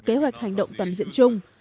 kế hoạch hành động toàn diện chung